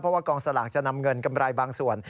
เพราะว่ากองสลากจะนำเงินกำไรบางส่วน